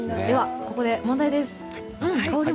では、ここで問題です。